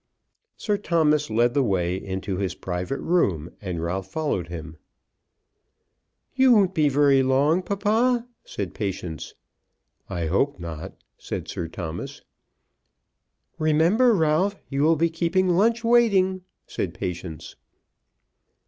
Sir Thomas led the way into his private room, and Ralph followed him. "You won't be long, papa," said Patience. "I hope not," said Sir Thomas. "Remember, Ralph, you will be keeping lunch waiting," said Patience.